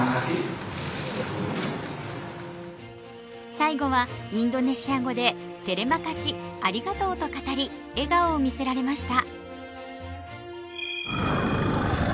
最後はインドネシア語でテレマカシ＝ありがとうと語り笑顔を見せられました。